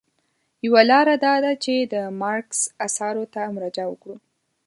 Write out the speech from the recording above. یوه لاره دا ده چې د مارکس اثارو ته مراجعه وکړو.